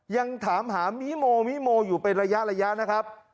ยังถามหามิโมมิโมอยู่เป็นระยะนะครับ